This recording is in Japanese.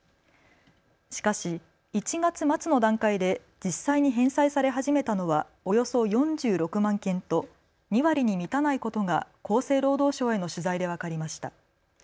しかし１月末の段階で実際に返済され始めたのはおよそ４６万件と２割に満たないことが厚生労働省への取材で分かりました。